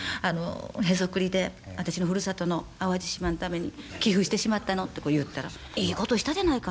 ヘソクリで私のふるさとの淡路島のために寄付してしまったの」ってこう言ったら「いいことしたじゃないか。